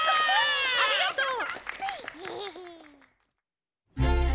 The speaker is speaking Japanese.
ありがとう！